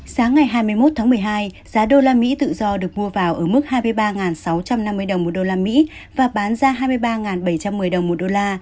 sáng ngày hai mươi một tháng một mươi hai giá đô la mỹ tự do được mua vào ở mức hai mươi ba sáu trăm năm mươi đồng một đô la mỹ và bán ra hai mươi ba bảy trăm một mươi đồng một đô la